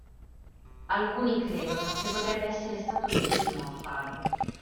Alcuni credono che potrebbe essere stato il primo a farlo.